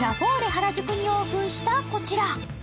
原宿にオープンしたこちら。